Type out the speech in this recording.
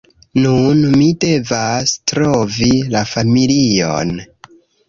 Nun, mi devas trovi la familion